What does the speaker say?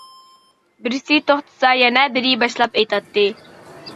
بىرسى توختىسا يەنە بىرى باشلاپ ئېيتاتتى.